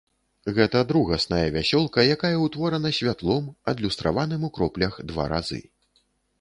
Гэта другасная вясёлка, якая ўтворана святлом, адлюстраваным у кроплях два разы.